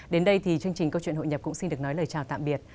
đến đây thì chương trình câu chuyện hội nhập cũng xin được nói lời chào tạm biệt